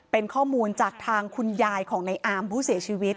เป็นข้อมูลจากทางคุณยายของในอามผู้เสียชีวิต